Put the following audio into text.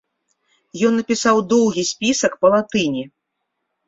Ён напісаў доўгі спісак па-латыні.